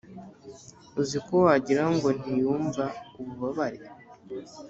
uziko wagirango ntiyumva ububabare